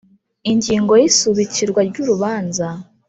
Ingingo y Isubikwa ry urubanza